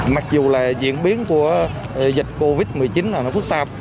mặc dù là diễn biến của dịch covid một mươi chín là nó phức tạp